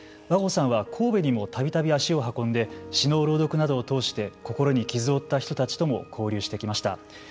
和合さんは神戸にもたびたび足を運んで詩の朗読をなどを通して心に傷を負った人たちとも交流してきました。